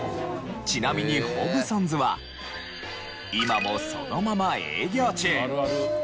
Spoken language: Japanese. ちなみにホブソンズは今もそのまま営業中。